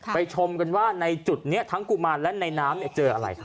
ชมกันว่าในจุดนี้ทั้งกุมารและในน้ำเจออะไรครับ